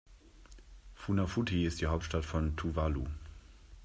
Funafuti ist die Hauptstadt von Tuvalu.